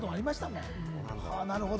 なるほど。